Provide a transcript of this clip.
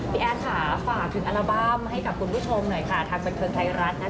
แอดค่ะฝากถึงอัลบั้มให้กับคุณผู้ชมหน่อยค่ะทางบันเทิงไทยรัฐนะคะ